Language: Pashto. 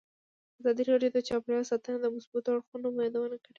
ازادي راډیو د چاپیریال ساتنه د مثبتو اړخونو یادونه کړې.